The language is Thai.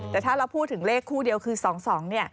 แต่ถ้าเราพูดถึงเลขคู่เดียวคือสอง